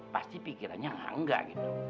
pasti pikirannya nganggak gitu